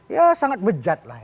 ya sangat bejat lah